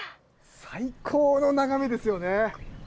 最高の眺めですよね。